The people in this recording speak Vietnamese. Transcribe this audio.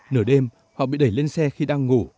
nửa đêm họ bị đẩy lên xe khi đang ngủ